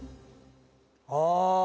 ああ。